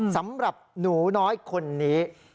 สำหรับหนูน้อยคนนี้